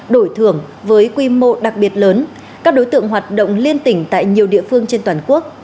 đổi thưởng với quy mô đặc biệt lớn các đối tượng hoạt động liên tỉnh tại nhiều địa phương trên toàn quốc